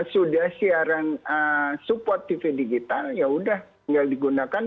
sudah siaran support tv digital yaudah tinggal digunakan